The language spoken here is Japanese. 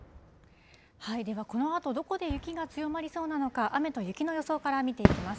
では、このあとどこで雪が強まりそうなのか、雨と雪の予想から見ていきます。